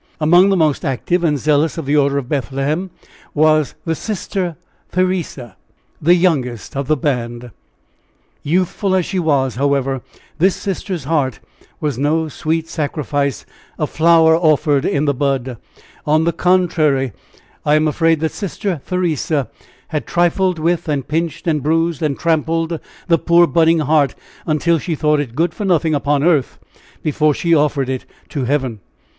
Among the most active and zealous of the order of Bethlehem was the Sister Theresa, the youngest of the band. Youthful as she was, however, this Sister's heart was no sweet sacrifice of "a flower offered in the bud;" on the contrary, I am afraid that Sister Theresa had trifled with, and pinched, and bruised, and trampled the poor budding heart, until she thought it good for nothing upon earth before she offered it to Heaven.